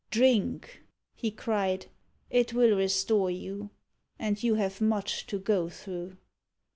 "Drink!" he cried; "it will restore you, and you have much to go through."